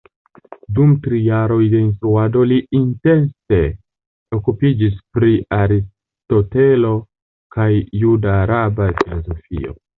Dum tri jaroj de instruado li intense okupiĝis pri Aristotelo kaj juda-araba filozofio.